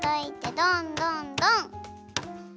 どんどんどん！